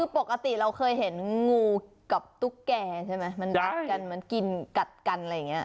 คือปกติเราเคยเห็นงูกับตุ๊กแก่ใช่ไหมมันกัดกันมันกินกัดกันอะไรอย่างนี้